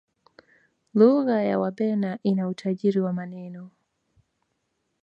lugha ya wabena ina utajiri wa maneno